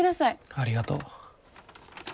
ありがとう。